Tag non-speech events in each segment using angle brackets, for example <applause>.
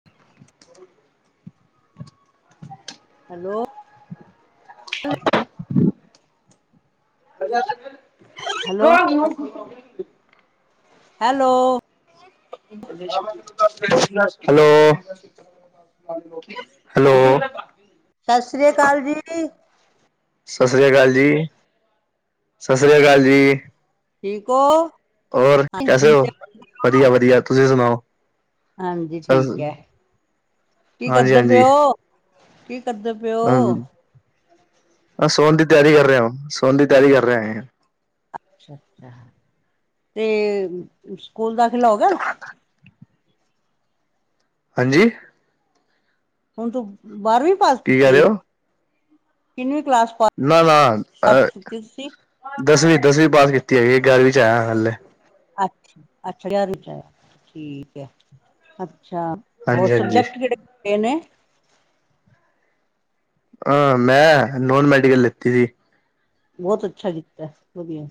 <unintelligible> Hello <unintelligible> <inaudible> hello, ਕਣ <unintelligible> hello. Hello. <unintelligible> ਹਾਂਜੀ, ਸਤਿ ਸ੍ਰੀ ਆਕਾਲ ਜੀ। ਸਤਿ ਸ਼੍ਰੀ ਅਕਾਲ ਜੀ ਸਤਿ੍ਰੀ ਅਕਾਲ ਜੀ। ਠੀਕ ਹੋ। ਹੋਰ ਕੈਸੇ ਹਾਂਜੀ ਹੋ ਵਧੀਆ -ਵਧੀਆ ਤੁਸੀਂ ਸੁਣਾਓ? ਹਾਂਜੀ ਸ ਠੀਕ ਹੈ, ਕੀ ਹਾਂਜੀ ਕਰਦੇ ਪਿਓ ਕੀ ਕਰਦੇ ਪਏ ਹੋ ਹਾਂਾਂ ਸੋਨ ਦੀ ਤਿਆਰੀ ਕਰ ਰਿਹਾ ਹੋ ਸੋਨ ਦੀ ਤਿਆਰੀ ਕਰ ਰਿਹਾ। ਅੱਛਾ- ਅੱਛਾ ਤੇ ਸਕੂਲ ਦਾ ਖਲਾਓਗਾ। ਹ <inaudible> ਹਾਂਜੀ। ਹੁਣ ਤੂੰ ਬਾਰਵੀਂ ਪਾਸ ਕੀ ਕਹਿ ਕੀਤੀ ਰਹੇ ਹੈ ਕਿਨਵੀਂ ਕਲਾਸ? ਨਾ-ਨਾ ਅ ਪਾਸ ਕੀਤੀ ਤੁਸੀਂ ਦਸਵੀਂ-ਦਸਵੀਂ ਪਾਸ ਕੀਤੀ ਹੈਗੀ, ਗਿਆਰਵੀਂ 'ਚ ਆਇਆ ਹੱਲੇ। ਅੱਛ- ਅੱਛਾ ਠੀਕ, ਹੈ ਅੱਛਾ। ਹੋਰ ਹਾਂਜੀ ਹਾਂਜੀ ਸਬਜੈਕਟ ਕਿਹੜੇ- ਕਿੜੇ ਨੇ? ਹਾਂ ਮੈਂ ਨੋਨ ਮੈਡੀਕਲ ਲੈਤੀ ਸੀ। ਬਹੁਤ ਅੱਛਾ ਕੀਤਾ ਵਧੀਆ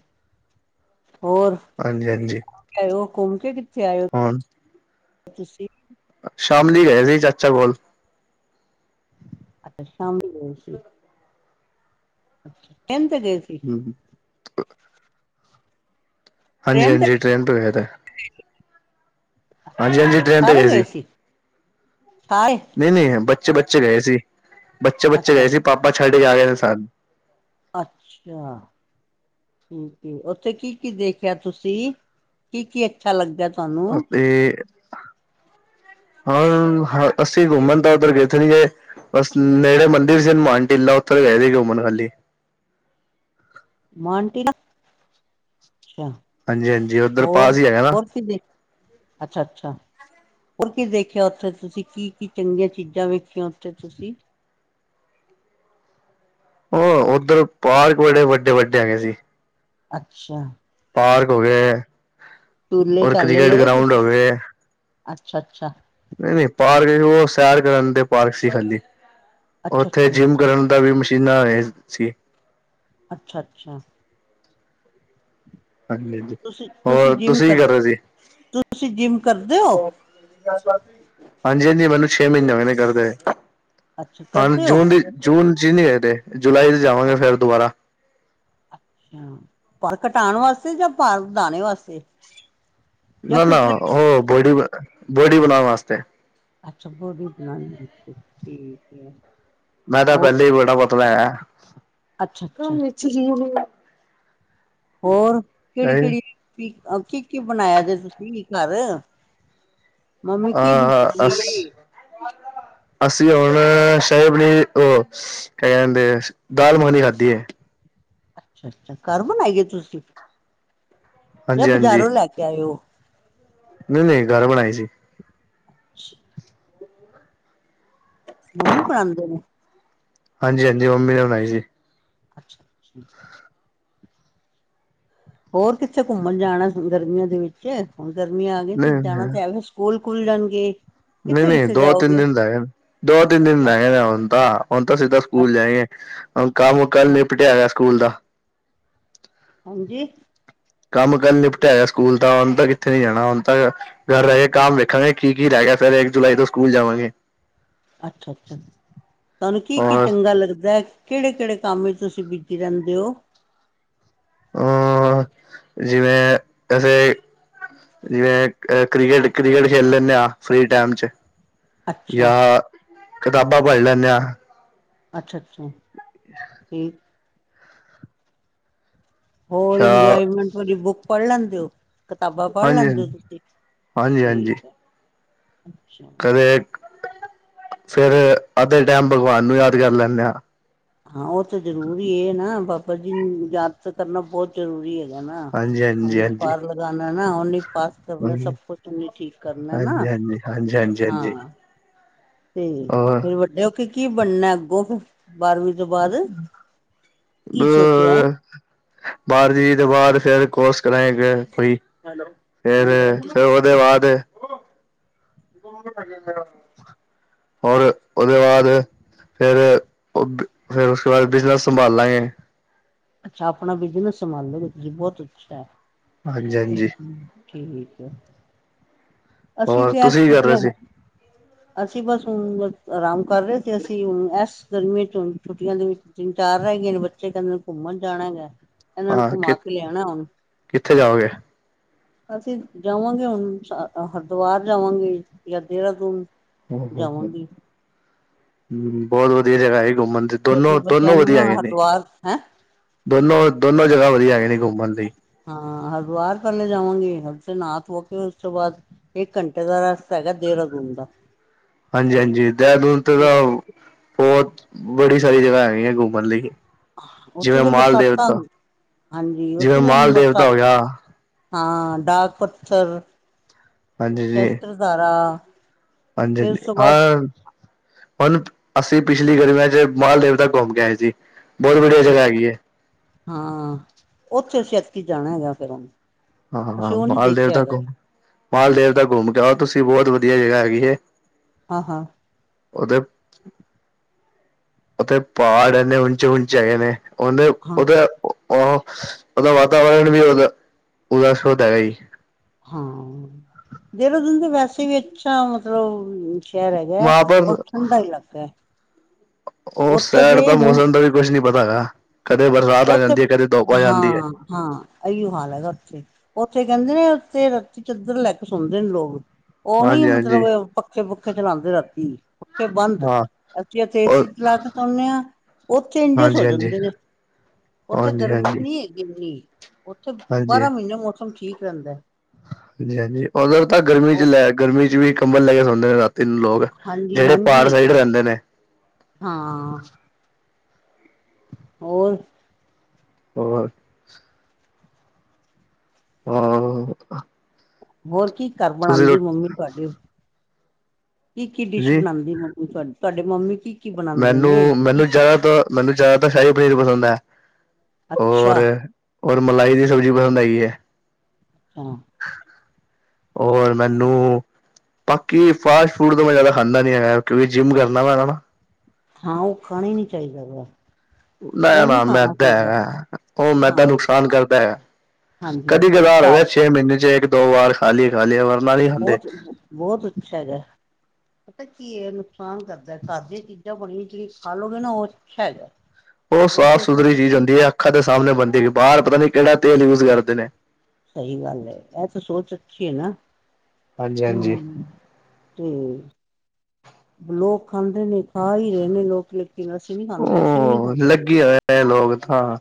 ਹੋਰ ਹਾਂਜੀ ਹਾਂਜੀ ਹੋਰ ਘੁੰਮ ਕੇ ਕਿੱਥੇ ਆਏ ਹੋ ਹੁਣ ਤੁਸੀਂ? ਸ਼ਾਮਲੀ ਗਏ ਸੀ, ਚਾਚਾ ਕੋਲ। ਅੱਛਾ, ਸ਼ਾਮੀ ਗਏ ਸੀ। ਅੱਛਾ, ਕਹਿ ਤੇ ਗਏ ਸੀ? ਹਮਮ। ਹਾਂਜੀ- ਹਾਂਜੀ ਟ੍ਰਰੇਨ ਤੇ ਗਏ ਤੇ ਹਾਂਜੀ ਹਾਂਜੀ ਅੱਛਾ-ਅੱਛਾ ਟ੍ਰੇਨ ਤੇ ਸਾਰੇ ਗਏ ਸੀ ਸਾਰੇ। ਨਹੀਂ- ਨਹੀਂ ਬੱਚੇ- ਬੱਚੇ ਗਏ ਸੀ, ਬੱਚੇ- ਬੱਚੇ ਅੱਛਾ ਗਏ ਸੀ ਪਾਪਾ ਛੱਡੇ ਕੇ ਆ ਗਏ ਸੀ ਸਾਥ। ਅੱਛਾ ਠੀਕ ਉੱਥੇ ਕੀ- ਕੀ ਦੇਖਿਆ ਤੁਸੀਂ? ਕੀ-ਕੀ ਅੱਛਾ ਲੱਗਦਾ ਤੁਹਾਨੂੰ? ਅਤੇ <unintelligible> ਹੁਣ ਅਸੀਂ ਘੁੰਮਣ ਤਾਂ ਉੱਧਰ ਗਏਥ ਨੀ ਗ। ਬੱਸ ਨਹੜੇ ਮਨਦੀਿਰ ਜ ੇਨ ਮਟ ਲ ਉਹਥਰ ਹੈਦੀ ਗ ਮਨਹਲੀ। ਮਟੀ ਦਾ ਅੱਛਾ, ਹਾਂਜੀ ਹਾਂਜੀ ਉੱਧਰ ਪਾਸ ਹੋਰ- ਹੀ ਹੈਗਾ ਨਾ ਹੋਰ ਕਿਖ ਅੱਛਾ-ਅੱਛਾ। ਹੋਰ, ਕੀ ਦੇਖਿਆ ਉੱਥੇ ਤੁਸੀਂ ਕੀ-ਕੀ ਚੰਗੀਆਂ ਚੀਜ਼ਾਂ ਵੇਖੀਆਂ ਉੱਥੇ ਤੁਸੀਂ? ਉਹ ਉੱਧਰ ਪਹਾੜ ਬੜੇ ਵੱਡੇ-ਵੱਡੇ ਹੈਗੇ ਸੀ। ਅੱਛਾ। ਪਾਰਕ ਹੋ ਗਏ ਟੂਲੇ ਰ ਕ੍ਰਿਕਟ ਗਰਾਉਂਡ ਹੋ ਗਏ। ਅੱਛਾ-ਅੱਛਾ। ਨਹੀਂ-ਨਹੀਂ ਪਾਰਕ ਸੀ। ਉਹ ਸੈਰ ਕਰਨ ਦੇ ਪਾਰਕ ਸੀ ਖਾਲੀ ਅੱਛਾ ਉੱਥੇ ਅੱਛਾ ਜਿੰਮ। ਕਰਨ ਦਾ ਵੀ ਮਸ਼ੀਨਾਂ ਇਹ ਸੀ। ਅੱਛਾ ਅੱਛਾ। ਹਾਂਜੀ ਹਾਂਜੀ <inaudible> ਤੁਸੀਂ- ਤੁਸੀਂ ਹੋਰ ਜਿਮ ਕੀ ਕਰ ਰਹੇ ਸੀ ਤੁਸੀਂ ਜਿਮ ਕਰਦੇ ਹੋ? ਹਾਂਜੀ-ਹਾਂਜੀ ਮੈਨੂੰ, ਛੇ ਮਹੀਨੇ ਹੋਏ ਕਰਦੇ ਹੈ। ਅੱਛਾ ਹਾਂਜੀ, ਕਰਦੇ ਹੋ ਜੂਨ ਦੀ ਜੂਨ ਚ ਨਹੀਂ ਗੇਦੇ ਜੁਲਾਈ ਚ ਜਾਵਾਂਗੇ ਫੇਰ ਦੁਬਾਰਾ। ਅੱਛ ਪਾਰ ਕਟਾਨ ਵਾਸਤੇ ਯਾ ਪਾਰ ਵਦਾਣੇ ਵਾਸਤੇ। ਜਾਂ ਨਾ-ਨਾ ਫਿਟ ਰਹਿਣ? ਹੋ ਬੋਡੀ ਬੋੜ ਬਣਾਣਾਸਤੇ। ਅੱਛਾ, ਬੋਰੀ <unintelligible> ਬਣਾਉਣੀ ਹੈ, ਠੀਕ ਹੈ। ਮੈਂ ਤਾਂ ਹੋਰ? ਪਹਿਲੇ ਹੀ ਬੜਾ ਪਤਾ ਅੱਛਾ ਅੱਛਾ ਵਿੱਚ ਹੀ <unintelligible> ਹੋਰ ਕਿਹੜੀ-ਕਿਹੜੀ ਕੀ-ਕੀ ਬਣਾਇਆ ਜੇ ਤੁਸੀਂ ਘਰ? ਮੰਮੀ ਕੀ ਆਹ ਹਾਂ ਅ ਬਣਾਈ ਏ? ਅਸੀਂ। ਅਸੀਂ ਹੁਣ ਸ਼ਾਹੀ ਪਨੀਰ ਉਹ ਕ ਕਿੰਦੇ ਦਾਲ ਮਖਣੀ ਖਾਧੀ ਹੈ। ਅੱਛਾ-ਅੱਛਾ ਘਰ ਬਣਾਈਏ ਤੁਸੀਂ, ਯਾ ਹਾਂਜੀ ਬਾਜ਼ਾਰੋਂ ਲੈ ਕੇ ਆਇ ਓ? ਨਹੀਂ-ਨਹੀਂ ਘਰ ਬਣਾਈ ਸੀ। <unintelligible> ਮੰਮੀ ਬਣਾਉਂਦੇ ਨੇ? ਹਾਂਜੀ-ਹਾਂਜੀ, ਮੰਮੀ ਨੇ ਬਣਾਈ ਸੀ। ਅੱਛਾ ਜੀ। ਹੋਰ ਕਿੱਥੇ ਘੁੰਮਣ ਜਾਣਾ, ਹੁਣ ਗਰਮੀਆਂ ਦੇ ਵਿੱਚ? ਹੁਣ ਗਰਮੀਆਂ ਆ ਗਈਆਂ ਨਹੀਂ ਤੇ ਜਾਣਾ ਤੇ ਐਵੇਂ ਸਕੂਲ ਖੁੱਲ ਜਾਣਗੇ। ਕਿੱਥੇ ਨਹੀਂ-ਨਹੀਂ ਕਿੱਥੇ ਦੋ-ਤਿੰਨ ਜਾਓਗੇ ਦਿਨ ਤਾ ਹੇਨ, ਦੋ- ਤਿੰਨ ਦਿਨ ਰਹ ਗਏ ਹੁਣ ਤਾਂ, ਹੁਣ ਤਾਂ ਸਿੱਧਾ ਸਕੂਲ ਜਾਏਗੇ। ਹੂੰ, ਕੰਮ ਕੱਲ ਅੱਛਾ ਨਿਪਟਿਆ ਹੋਇਆ ਸਕੂਲ ਦਾ। ਹਾਂਜੀ। ਕੰਮ ਕਰਨ ਨਿਪਟਿਆ ਹੋਇਆ ਸਕੂਲ ਦਾ ਹੁਣ ਤਾਂ ਕਿੱਥੇ ਨੀ ਜਾਣਾ ਹੁਣ ਤਾਂ ਘਰ ਰਹੇ ਕੰਮ ਵੇਖਾਂਗੇ ਕੀ-ਕੀ ਰਹਿ ਗਿਆ ਫਿਰ ਇੱਕ ਜੁਲਾਈ ਤੋਂ ਸਕੂਲ ਜਾਵਾਂਗੇ। ਅੱਛਾ-ਅੱਛਾ, ਤੁਹਾਨੂੰ ਕੀ-ਕੀ ਔਰ ਚੰਗਾ ਲੱਗਦਾ? ਕਿਹੜੇ-ਕਿਹੜੇ ਕੰਮ ਚ ਤੁਸੀਂ ਬੀਜੀ ਰਹਿੰਦੇ ਹੋ? ਅ ਜਿਵੇਂ, ਅਸੀੇ ਜਿਵੇਂ ਅ ਕ੍ਰਿਕਟ-ਕ੍ਰਿਕਟ ਖੇਲ ਲੈਂਦੇ ਹਾਂ ਫਰੀ ਟਾਈਮ ਚ। ਅੱਛਾ ਜਾਂ ਕਿਤਾਬਾਂ ਪੜ੍ਹ ਲੈਂਦੇ ਹਾਂ। ਅੱਛਾ-ਅੱਛਾ, ਠੀਕ। ਹੋਰ ਜਾਂ ਇੰਜੋਏਮੈਂਟ ਵੀ ਬੁੱਕ ਪੜ ਲੈਣ ਦਿਓ। ਕਿਤਾਬਾਂ ਪੜ ਹਾਂਜੀ ਹਾਂਜੀ ਲੈਂਦੇ ਤੁਸੀਂ ਠੀਕ ਹਾਂਜੀ ਹਾਂਜੀ ਹੈ'ਅੱਛਾ। ਕਦੇ, ਫੇਰ ਅੱਧੇ ਟਾਈਮ ਭਗਵਾਨ ਨੂੰ ਯਾਦ ਕਰ ਲੈਂਦੇ ਹਾਂ। ਹਾਂ ਉਹ ਤਾਂ, ਜ਼ਰੂਰੀ ਇਹ ਨਾ ਬਾਬਾ ਜੀ ਨੂੰ ਯਾਦ ਕਰਨਾ ਬਹੁਤ ਜ਼ਰੂਰੀ ਹੈਗਾ ਨਾ, ਹਾਂਜੀ ਹਾਂਜੀ ਉਹਨੇ ਹਾਂਜੀ ਪਰਾਰ ਲਗਾਣਾਏ ਨਾ ਉਹਨੇ ਪਾਸ ਕਰਨਾ ਸਭ ਕੁਝ ਉਹਨੇ ਠੀਕ ਕਰਨਾ ਨਾ ਹਾਂਜੀ ਹਾਂਜੀ ਹਾਂਜੀ ਹਾਂਜੀ ਹਾਂਜੀ ਹਾਂਜੀ ਹਾਂ ਤੇ ਫੇਰ ਵੱਡੇ ਹੋ ਕੇ ਕੀ ਬਣਨਾ ਅੱਗੋਂ? ਬਾਰਵੀਂ, ਤੋਂ ਬਾਅਦ ਕੀ ਸੋਚਿਆ ਐ? ਬਾਰ ਜਈਏ ਤੇ ਬਾਰ ਫੇਰ ਕੋਰਸ ਕਰਾਏਗਾ ਫ੍ਰੀ। ਫੇਰ ਤੇ ਉਹਦੇ ਬਾਅਦ। <unintelligible> ਹੋਰ ਉਹਦੇ ਬਾਅਦ ਫਿਰ ਉਹਦੇ ਫਿਰ ਉਸਕੇ ਬਾਅਦ ਬਿਜਨੈਸ ਸੰਭਾਲ ਲਾਂਗੇ ਅੱਛਾ, ਆਪਣਾ ਬਿਜਨਸ ਸੰਭਾਲੋਗੇ ਤੁਸੀਂ ਬਹੁਤ ਅੱਛਾ ਹੈ। ਹਾਂਜੀ ਹਮ ਹਾਂਜੀ ਹ ਠੀਕ ਐ, ਅਸੀਂ ਹੋਰ ਐਸ ਤੁਸੀਂ ਕੀ ਕਰ ਰਹੇ ਛੁੱਟੀਆਂ ਸੀ ਅਸੀਂ ਬਸ ਹੁਣ ਆਰਾਮ ਕਰ ਰਹੇ ਸੀ ਅਸੀਂ ਹੁ ਇਸ ਗਰਮੀਆਂ ਚ ਛੁੱਟੀਆਂ ਦੇ ਵਿੱਚ। ਤਿੰਨ- ਚਾਰ ਰਹਿ ਗਏ ਨੇ, ਬੱਚੇ ਕਹਿੰਦੇ ਘੁੰਮਣ ਜਾਣਾ ਗਾ ਇਹਨਾਂ ਨੂੰ ਹਾਂ ਘੁੰਮਾ ਕਿ ਕੇ ਲਿਆਣਾ ਹੁਣ। ਕਿੱਥੇ ਜਾਓਗੇ? ਅਸੀਂ ਜਾਵਾਂਗੇ ਹੁਣ ਸਾ ਹਰਿਦੁਆਰ ਜਾਵਾਂਗੇ ਜਾਂ ਦੇਹਰਾਦੂਨ ਹਮ-ਹਮ-ਹਮ, ਜਾਵਾਂਗੀ ਹੂੰ ਬਹੁਤ ਵਧੀਆ ਜਗ੍ਹਾ ਹੈਗੀ ਘੁੰਮਣ ਦੀ ਛੋਟੇ ਦੋਨੋ-ਦੋਨੋ ਬੱਚਿਆਂ ਨੂੰ ਵਧੀਆ ਨਾ ਹੈਗੇ ਨੇ ਹਰਿਦੁਆਰ ਹੈਂ ਦੋਨੋ-ਦੋਨੋ ਜਗ੍ਹਾ ਵਧੀਆ ਹੈਏ ਨੇ ਘੁੰਮਣ ਲਈ। ਹਾਂ ਹਰਦਵਾਰ ਪਹਲੇ ਜਾਵਾਂਗੇ ਓਥੇ ਨਹਾ ਧੋ ਕੇ ਉਸ ਤੋਂ ਬਾਅਦ ਇੱਕ ਘੰਟੇ ਦਾ ਰਾਸਤਾ ਹੈਗਾ, ਦੇਹਰਾਦੂਨ ਦਾ। ਹਾਂਜੀ ਹਾਂਜੀ ਦੇਹਰਾਦੂਨ ਤੇ ਤਾਂ ਬਹੁਤ ਬੜੀ ਸਾਰੀ ਜਗ੍ਹਾ ਹੈਗੀਆਂ ਘੁੰਮਣ ਲਈ ਉੱਥੇ ਜਿਵੇਂ ਤਾਂ ਮਾਲ ਬਰਸਾਤਾਂ ਦੇਵਤਾ ਹਾਂਜੀ ਜਿਵੇਂ ਉੱਥੇ ਤਾਂ ਮਾਲ ਦੇਵਤਾ ਬਰਸਾਤ ਹੋ ਗਿਆ ਹਾਂ, ਡਾਕ-ਪੱਥਰ, ਹਾਂਜੀ ਜੀ ਸਹਸਤ੍ਰਧਾਰਾ। ਹਾਂਜੀ-ਹਾਂਜੀ, ਆਹ ਹੁਣ ਅਸੀਂ ਪਿਛਲੀ ਗਰਮੀਆਂ ਚ ਮਾਲਦੇਵਤਾ ਘੁੰਮ ਕੇ ਆਏ ਸੀ। ਬਹੁਤ ਵਧੀਆ ਜਗ੍ਹਾ ਅੱਛਾ-ਅੱਛਾ ਹੈਗੀ ਹੈ ਹਾਂ ਉੱਥੇ ਅਸੀਂ ਐਕੀ ਜਾਣਾ ਹੈਗਾ ਫਿਰ ਹੁਣ। ਹਾਾਾਾਾਾਾਾਾਾਾਂ ਅਸੀਂ ਉਹ ਨਹੀਂ ਦੇਖਿਆ ਮਾਲਦੇਵਤਾ ਹੈਗਾ ਘੁੰਮ, ਮਾਲਦੇਵ ਤਾ ਘੁੰਮ ਕੇ ਆਓ ਤੁਸੀਂ ਬਹੁਤ ਵਧੀਆ ਜਗ੍ਹਾ ਹੈਗੀ ਇਹ। ਹਾਂ। ਉਹਦੇ <unintelligible> ਓਥੇ ਪਹਾੜ ਏਨੇ ਊਂਚੇ-ਊਂਚੇ ਹੈਗੇ ਨੇ, ਊਂਦੇ ਹਾਂ ਓਦੇ ਉਹ, ਉਹਦਾ ਵਾਤਾਵਰਨ ਵੀ ਉਦਾ ਉਦਾ ਸ਼ੁੱਧ ਹੈਗਾ ਜੀ। ਹਾਂ, ਦੇਹਰਾਦੂਨ ਤੇ ਵੈਸੇ ਵੀ ਅੱਛਾ ਮਤਲਬ। ਸ਼ੇਹਰ ਹੇਗਾ ਏ ਵਹਾਂ ਓਰ ਪਰ ਠੰਡਾ ਇਲਾਕਾ ਐ। ਉਸ ਸੈਡ ਤਾਂ ਹੁਣ ਮੌਸਮ ਦਾ ਵੀ ਕੁਝ ਨੀ ਪਤਾ ਹੈਗਾ, ਕਦੇ ਬਰਸਾਤ ਆ ਉੱਥੇ ਜਾਂਦੀ ਐ, ਕਦੇ ਧੁੱਪ ਆ ਜਾਂਦੀ ਐ। ਹਾਂ ਹਾਂ, ਇਓ ਹਾਲ ਹੈਗਾ ਇਥੇ। ਉੱਥੇ ਕਹਿੰਦੇ ਨੇ ਉੱਥੇ ਰਾਤੀਂ ਚੱਦਰ ਲੈ ਕੇ ਸੌਂਦੇ ਨੇ ਲੋਗ ਉਹ ਨੀ ਹਾਂਜੀ-ਹਾਂਜੀ ਮਤਲਬ ਪੱਖੇ ਪੱਖੇ ਚਲਾਉਂਦੇ ਰਾਤੀ ਪੱਖੇ ਬੰਦ ਹਾਂ ਅਸੀਂ ਇੱਥੇ ਏ ਔਰ ਸੀ ਲਾ ਕੇ ਸੌਦੇ ਆ ਉਥੇ ਇੰਜਿਸ ਸੌ ਹਾਂਜੀ-ਹਾਂਜੀ, ਜਾਂਦੇ ਉੱਥੇ ਹਾਂਜੀ-ਹਾਂਜੀ, ਹਾਂਜੀ। ਗਰਮੀ ਹਾਂਜੀ ਨਹੀਂ <unintelligible> ਉੱਥੇ ਹਾਂਜੀ ਬਾਰਾਂ ਮਹੀਨੇ ਮੌਸਮ ਠੀਕ ਰਹਿੰਦਾ ਹਾਂਜੀ ਹਾਂਜੀ ਉਧਰ ਤਾਂ ਗਰਮੀ ਚ ਹੋ ਲੈ ਗਰਮੀ ਚ ਵੀ ਕੰਬਲ ਲੈ ਕੇ ਸੌਂਦੇ ਨੇ ਰਾ ਤਿੰਨ ਲੋਕ ਹਾਂਜੀ ਜਿਹੜੇ ਪਹਾੜ ਹਾਂਜੀ ਸਾਈਡ ਰਹਿੰਦੇ ਨੇ। ਹਾਂ। ਹੋਰ ਹੋਰ। ਹਾਂ। ਹੋਰ ਕੀ ਘਰ ਤੁਸੀਂ ਰੋ ਬਣਾਉਂਦੀ ਮੰਮੀ ਤੁਹਾਡੇ ਕੀ ਕੀ ਡਿਸ਼ ਜੀ ਬਣਾਉਂਦੀ ਮੰਮੀ। ਡ ਤੁਹਾਡੇ ਮੰਮੀ ਕੀ ਕੀ ਬਣਾਉਂਦੇ ਮੈਨੂੰ ਨੇ ਮੈਨੂੰ ਕੀ ਜ਼ਿਆਦਾਤਰ ਮੈਨੂੰ ਜ਼ਿਆਦਾਤਰ ਸ਼ਾਹੀ ਪਨੀਰ ਪਸੰਦ ਐ। ਹੋਰ ਅੱਛਾ ਹੋਰ ਮਲਾਈ ਦੀ ਸਬਜ਼ੀ ਪਸੰਦ ਹੇਗੀ ਏ। ਹੂੰ ਹੋਰ ਮੈਨੂੰ ਬਾਕੀ ਫਾਸਟ ਫੂਡ ਤੋਂ ਮੈਂ ਜ਼ਿਆਦਾ ਖਾਂਦਾ ਨੀ ਹੈਗਾ ਕਿਉਂਕਿ ਜਿੰਮ ਕਰਨਾ ਵਾਸਤੇ ਹਾਂ ਉਹ ਖਾਣਾ ਹੀ ਨਹੀਂ ਚਾਹੀਦਾ। ਨਾ ਉਹ ਨਹੀਂ ਨਾ ਖਾਣਾ ਮੈਦਾ ਚਾਹੀਦਾ ਹੈਗਾ ਉਹ ਮੈਦਾ ਹਾਂ ਨੁਕਸਾਨ ਕਰਦਾ ਹੈਗਾ। ਹਾਂਜੀ ਕਦੀ ਕਦਾਰ ਘਰ ਹੇਗਾ ਛੇ ਮਹੀਨੇ ਚ ਇੱਕ ਦੋ ਵਾਰ ਖਾਲੀਏ ਖਾਲੀਏ ਵਾਰ ਬਾਰ ਨਹੀਂ ਖਾਂਦੇ। ਬਹੁਤ ਬਹੁਤ ਅੱਛਾ ਹੈਗਾ ਪਤਾ ਕੀ ਨੁਕਸਾਨ ਕਰਦਾ ਘਰ ਦੀਆਂ ਚੀਜ਼ਾਂ ਬਣੀਆਂ ਜਿਹੜੀਆਂ ਖਾਲੋ ਗੇ ਨਾ ਉਹ ਅੱਛਾ ਹੇਗਾ ਉਹ ਸਾਫ਼ ਸੁਥਰੀ ਚੀਜ਼ ਹੁੰਦੀ ਏ ਅੱਖਾਂ ਦੇ ਸਾਹਮਣੇ ਬਣਦੀ ਹੇਗੀ ਬਾਹਰ ਪਤਾ ਨੀ ਕਿਹੜਾ ਤੇਲ ਯੂਜ ਕਰਦੇ ਨੇ। ਸਹੀ ਗੱਲ ਏ ਇਹ ਤਾਂ ਸੋਚ ਅੱਛੀ ਐ ਨਾ ਹਾਂਜੀ ਹਾਂਜੀ। ਹੂੰ ਤੇ ਲੋਕ ਖਾਂਦੇ ਨੇ ਖਾ ਹੀ ਰਹੇ ਨੇ ਲੋਕ ਲੇਕਿਨ ਕਿ ਅਸੀਂ ਨ ਖਾਂਦੇ ਅਸੀਂ ਵੀ ਨੀ ਉਹ ਖਾਂਦੇ। ਲੱਗੇ ਹੋਏ ਲੋਕ ਤਾਂ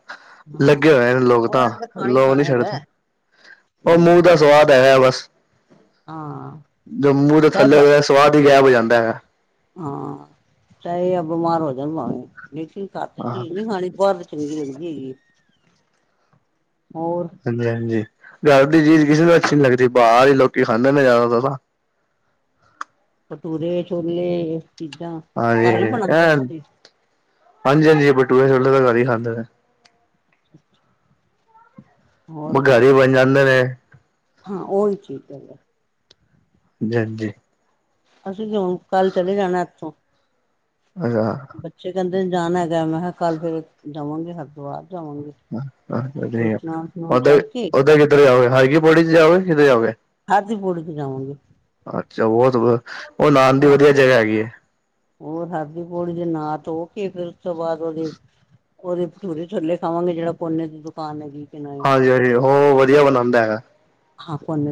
ਹਾਂ ਲੱਗੇ ਹੋਏ ਲੋਕ ਉਹਨਾਂ ਤਾਂ ਨੇ ਖਾਣਾ ਹੀ ਲੋਕ ਖਾਣਾ ਨਹੀਂ ਹੈਗਾ ਛੱਡਦੇ। ਉਹ ਹਮ ਮੂੰਹ ਦਾ ਸਵਾਦ ਹੈਗਾ ਬਸ। ਹਾਂ ਜਦੋ ਮੂੰਹ ਦੇ ਚਾਹੇ ਥੱਲੇ ਸਵਾਦ ਹੀ ਗਾਇਬ ਹੋ ਜਾਂਦਾ ਹੈਗਾ। ਹਾਂ ਚਾਹੇ ਆ ਬਿਮਾਰ ਹੋ ਜਾਣ ਭਾਵੇ ਲੇਕਿਨ ਘਰ ਦੀ ਹਾਂ ਚੀਜ਼ ਨਹੀਂ ਬਾਹਰ ਚੰਗੀ ਲਗਦੀ ਹੈਗੀ ਏ ਹੋਰ- ਹਾਂਜੀ- ਹਾਂਜੀ ਘਰ ਦੀ ਚੀਜ਼ ਕਿਸੇ ਨੂੰ ਅਛੀ ਨੀ ਲਗਦੀ ਬਾਹਰ ਹੀ ਲੋਕੀ ਖਾਂਦੇ ਨੇ ਜਿਆਦਾ ਤਰ ਨਾ- ਭਟੂਰੇ ਛੋਲੇ ਚੀਜਾ - ਹਾਂਜੀ- ਹਾਂਜੀ- ਹਾਂਜੀ ਭਟੂਰੇ ਛੋਲੇ ਘਰ ਹੀ ਖਾਂਦੇ ਨੇ- ਉਹ ਹੋਰ ਘਰ ਹੀ ਬਣ ਜਾਂਦੇ ਨੇ- ਹਾਂ ਉਹੀ ਕੀਤਾ ਹੈ। ਗੈ- ਜੇਂਜੀ <unintelligible> ਅਸੀ ਹੁਣ ਕਲ ਚਲੇ ਜਾਣਾ ਇਥੋ। ਅਛਾ- ਬੱਚੇ ਕਹਿੰਦੇ ਜਾਣ ਹੈਗਾ ਮੈਂ ਕਿਹਾ ਕੱਲ ਫੇਰ ਜਾਵਾਂਗੇ ਹਰਿਦੁਵਾਰ ਜਾਵਾਂਗੇ। ਤੇ ਇਸ਼ਨਾਨ ਇਸ਼ਨੂਨ ਓਦਾਂ ਕਰਕੇ ਓਦਾਂ ਕਿੱਧਰ ਜਾਓਗੇ ਹਰ ਕੀ ਪੋੜੀ ਚ ਜਾਓਗੇ ਕਿਧਰ ਜਾਓਗੇ। ਹਰ ਦੀ ਪੌੜੀ ਚ ਜਾਵਾਂਗੇ। ਅੱਛਾ ਬਹੁਤ ਉਹ ਨ ਦੀ ਹਾਂ ਵਧੀਆ ਜਗ੍ਹਾ ਹੈਗੀ ਹੈ। ਹੋਰ ਹਰਦੀ ਪੌੜੀ ਦੇ ਨਾ ਧੋ ਕੇ ਫੇਰ ਉਸ ਤੋਂ ਬਾਅਦ ਉਹਦੇ ਉਹਦੇ ਭਠੂਰੇ ਛੋਲੇ ਖਾਵਗੇ ਜਿਹੜਾ ਪੋਨੇ ਦੀ ਦੁਕਾਨ ਹੈਗੀ। ਕਿ ਨਹੀਂ ਹਾਂਜੀ-ਹਾਂਜੀ ਉਹ ਵਧੀਆ ਬਣਾਉਂਦਾ ਹੈਗਾ। ਹਾਂ ਫੋਨ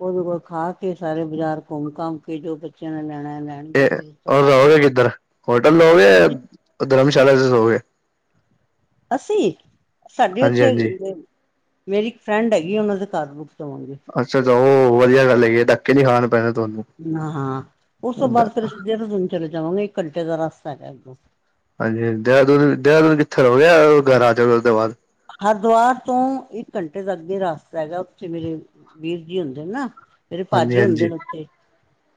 ਉਹਦੇ ਕੋਲ ਖਾ ਕੇ ਸਾਰੇ ਬਾਜ਼ਾਰ ਘੁੰਮ-ਘਾਮ ਕੇ ਜੋ ਬੱਚਿਆਂ ਨੇ ਲੈਣਾ- ਲੈਣਾ। ਇਹ ਉਹ ਰਹੋਗੇ ਕਿੱਧਰ ਹੋਟਲ ਲੋਗੇ ਹਾਂਜੀ ਧਰਮਸ਼ਾਲਾ ਚ ਸੋਗੇ। ਅਸੀਂ, ਸਾਡੇ ਹਾਂਜੀ ਉੱਥੇ ਹਾਂਜੀ ਮੇਰੀ ਇੱਕ ਫਰੈਂਡ ਹੈਗੀ ਉਹਨਾਂ ਦੇ ਘਰ ਰੁਕਤਵਾਂਗੇ। ਅੱਛਾ-ਅੱਛਾ, ਉਹ ਵਧੀਆ ਗੱਲ ਹੈਗੀ ਹੈ ਡੱਕੇ ਨੀ ਖਾਣਾ ਪੈਣਾ ਤੁਹਾਨੂੰ। ਹ-ਹਾਂ ਉਸ ਤੋਂ ਬਾਅਦ ਫਿਰ ਅਸੀਂਧਰ ਦਨ ਚਲੇ ਜਾਵਾਂਗੇ ਇੱਕ ਘੰਟੇ ਦਾ ਰਸਤਾ ਹੈਗਾ ਇੱਕਦੋਂ। ਹਾਂਜੀ ਹ ਦੇਹਰਾਦੂਨ- ਦੇਹਰਾਦੂਨ ਕਿੱਥੇ ਰੋ ਗਿਆ ਘਰ ਆ ਜਾਵੇ ਉਸਦੇ ਬਾਅਦ। ਹਰਿਦੁਵਰ ਤੋਂ ਇੱਕ ਘੰਟੇ ਤੱਕਗੇ ਰਸਤਾ ਹੈਗਾ ਉੱਥੇ ਮੇਰੇ ਵੀਰ ਜੀ ਹੁੰਦੇ ਨੇ ਨਾ ਮੇਰੇ ਹਾਂਜੀ ਭਾਜੀ ਹੁੰਦੇ ਹਾਂਜੀ ਨੇ ਉੱਥੇ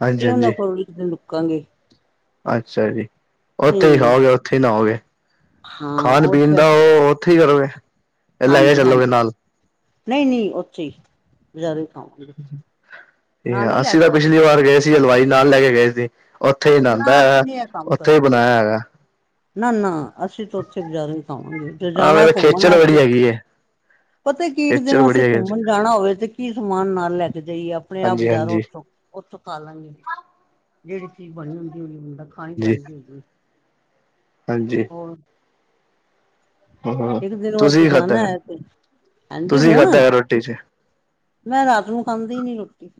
ਹਾਂਜੀ ਤੇ ਉਹਨਾਂ ਕੋਲ ਲੁਕਾਂਗੇ <unintelligible> ਅਛਾ, ਜੀ ਉਥੇ ਹੀ ਖਾਓਗੇ ਉਥੇ ਹੀ ਨਾ ਹੋਓਗੇ। ਹਾਂ ਖਾਣ- ਪੀਣ ਉੱਥੇ ਦਾ ਆਪਾਂ ਉਹ ਉਥੇ ਹੀ ਕਰੋਗੇ? ਲੈ ਕੇ ਹਾਂਜੀ- ਚੱਲੋਗੇ ਹਾਂਜੀ ਨਾਲ ਨਹੀ- ਨਹੀ ਉਥੇ ਹੀ। ਬਾਜਾਰੋ ਹੀ ਖਾਵਾਗੇ ਨਾਲ ਨੀ ਲੈ ਕੇ ਜਾਣਾ। ਅਲਵਾਈ ਨਾਲ ਲੈ ਕੇ ਗਏ ਸੀ ਉਥੇ ਹੀ ਨਾ ਨਆਦਾ ਹੈਗਾ ਅਸੀਂ ਨੀ ਇਹ ਕੰਮ ਉਥੇ ਹੀ ਕਰਦੇ ਬਣਾਇਆ ਹੈਗਾ। ਨਾ- ਨਾ ਅਸੀ ਤਾਂ ਉਥੇ ਬਜ਼ਾਰੇੋ ਖਾਵਾਂਗੇ ਜੇ ਹਾਂ ਜਾਣਾ ਹੈ। ਵੈਸੇ ਘੁੰਮਣ ਖੇਚਲ ਬੜੀ ਵਾਸਤੇ- ਹੈਗੀ ਹੈ ਪਤਾ ਕੀ ਇਕ ਦਿਨ ਖੇਚਲ ਬੜੀ ਅਸੀੇ ਹੈਗੀ ਘੁੰਮਣ ਜਾਣਾ ਹੋਵੇ ਤੇ ਕੀ ਸਮਾਨ ਨਾਲ ਲੈ ਕੇ ਜਾਈਏ ਆਪਣੇ ਆਪ ਹਾਂਜੀ ਬਜਾਰੋ ਹਾਂਜੀ ਉਥੋ- ਉਥੋ ਖਾਲਾਗੇ ਜਿਹੜੀ ਚੀਜ ਬਣੀ ਹੁੰਦੀ ਹੋਈ ਬੰਦਾ ਖਾਣੀ ਜੀ ਬਣਦੀ ਹੋਵੇ- ਹਾਂਜੀ- ਹੋਰ- ਹਾਂ ਇਕ ਦਿਨ ਵਾਸਤੇ ਤੁਸੀਂ ਖਾਧਾ ਜਾਣਾ ਹੈ। ਤੇ ਹਾਂਜੀ ਤੁਸੀਂ ਖਾਧਾ ਹੁਣ- ਹੈ ਰੋਟੀ ਚ ਮੈ ਰਾਤ ਨੂੰ ਖਾਂਦੀ ਨੀ ਰੋਟੀ।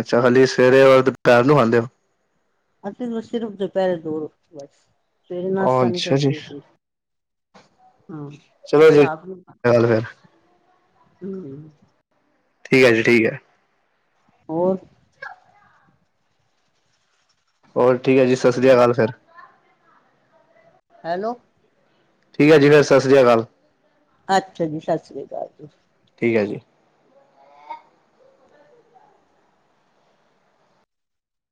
ਅਛਾ ਹਾਲੀ ਸਵੇਰੇ ਵ ਦੁਪਹਿਰ ਨੂੰ ਖਾਂਦੇ ਹੋ। ਅਸੀ ਸਿਰਫ ਦੁਪਹਿਰੇ ਦੋ ਬਸ ਸਵੇਰੇ ਹੋ ਨਾਸਤਾ ਨੀ ਅੱਛਾ ਜੀ ਕਰਦੇ। ਹੂੰ ਚਲੋ ਬਸ ਜੀ ਰਾਤ ਨੂੰ- ਗੱਲ ਫਿਰ ਹੂੰ - ਠੀਕ ਹੈ। ਜੀ ਠੀਕ ਹੈ। ਹੋਰ- ਹੋਰ ਠੀਕ ਹੈ। ਜੀ ਸਤਿ੍ਰ ਹੈਲੋ ਅਕਾਲ ਫੇਰ- ਹੈਲੋ- ਠੀਕ ਹੈ। ਠੀਕ ਹੈ। ਸਤਿਸ੍ਰੀ ਅਕਾਲ- ਅਛਾ, ਜੀ ਸਤਿ ਸ੍ਰੀ ਅਕਾਲ ਜੀ- ਠੀਕ ਹੈ। ਜੀ-